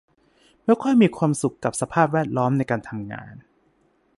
ไม่ค่อยมีความสุขกับสภาพแวดล้อมในการทำงาน